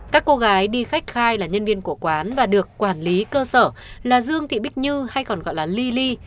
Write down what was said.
các cô gái đi khách khai là nhân viên của quán và được quản lý cơ sở là dương thị bích như hay còn gọi là ly ly